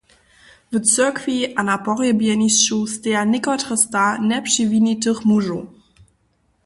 W cyrkwi a na pohrjebnišću steja někotre sta njepřewinitych mužow.